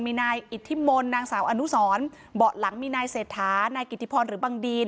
มีนายอิทธิมนต์นางสาวอนุสรเบาะหลังมีนายเศรษฐานายกิติพรหรือบังดีน